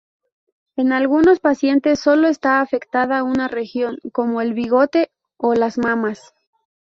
En algunos pacientes solo está afectada una región, como el bigote o las mamas.